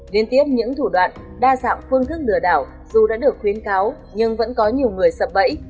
liên tiếp những thủ đoạn đa dạng phương thức lừa đảo dù đã được khuyến cáo nhưng vẫn có nhiều người sập bẫy